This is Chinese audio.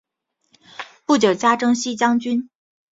不久加征西将军。